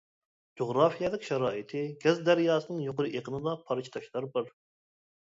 جۇغراپىيەلىك شارائىتى گەز دەرياسىنىڭ يۇقىرى ئېقىنىدا پارچە تاشلار بار.